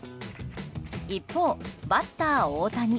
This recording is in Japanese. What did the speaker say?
一方、バッター大谷。